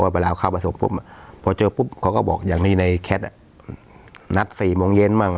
แล้วเวลาเข้ามาศพพอเจอปุ๊บเขาก็บอกอย่างนี้ในนัดสี่โมงเย็นบ้าง